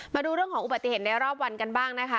มาดูเรื่องของอุบัติเหตุในรอบวันกันบ้างนะคะ